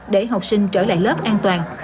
để học sinh trở lại lớp an toàn